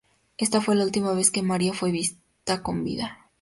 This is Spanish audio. Esta fue la última vez que María fue vista con vida.